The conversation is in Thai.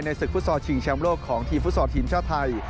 ในศึกฟุตสอร์ชิงเชียมโลกของทีมฟุตสอร์ทีมชาติไทย